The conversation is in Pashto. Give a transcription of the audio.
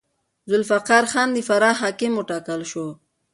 ذوالفقار خان د فراه حاکم وټاکل شو.